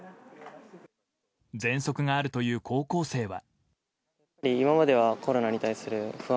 ぜんそくがあるという高校生は。